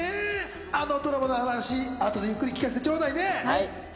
あのドラマの話、あとでゆっくり聞かせてちょうだいね。